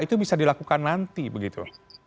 itu bisa dilakukan nanti begitu